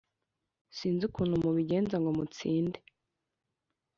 Sinzi ukuntu mubigenza ngo mutsinde